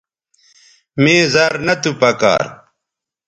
مے زر نہ تو پکار